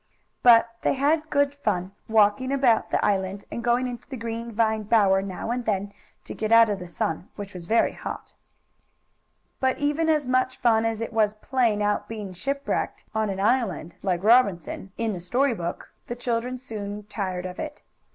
But they had good fun, walking about the island, and going into the green vine bower now and then to get out of the sun, which was very hot. But even as much fun as it was playing at being shipwrecked on an island, like Robinson, in the story book, the children soon tired of it.